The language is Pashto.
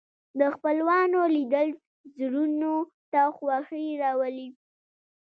د خپلوانو لیدل زړونو ته خوښي راولي